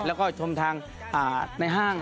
แล้วก็ชมทางในห้าง